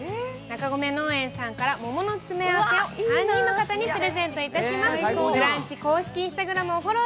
中込農園さんから桃の詰め合わせを３人の方にプレゼントいたします。